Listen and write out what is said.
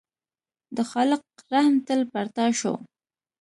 د خالق رحم تل پر تا شو.